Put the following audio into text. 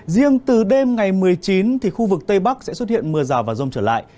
riêng từ đêm ngày một mươi chín thì khu vực tây bắc sẽ xuất hiện mưa rào và rông trở lại